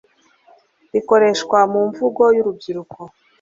rikoreshwa mu mvugo y'urubyiruko,